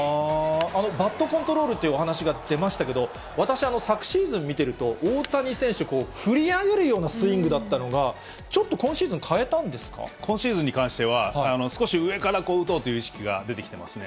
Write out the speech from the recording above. バットコントロールというお話が出ましたけど、私、昨シーズン見てると、大谷選手、振り上げるようなスイングだったのが、ちょっと今シーズン、変えたんで今シーズンに関しては、少し上から打とうという意識が意識が出てきてますね。